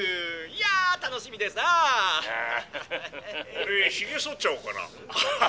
「俺ヒゲそっちゃおうかな」。